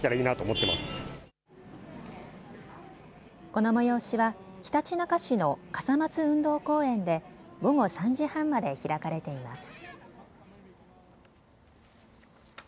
この催しは、ひたちなか市の笠松運動公園で午後３時半まで開かれています。